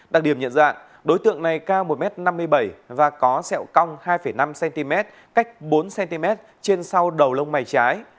đặc điểm nhận dạng đối tượng này cao một m năm mươi bảy và có sẹo cong hai năm cm cách bốn cm trên sau đầu lông mày trái